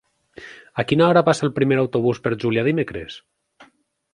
A quina hora passa el primer autobús per Juià dimecres?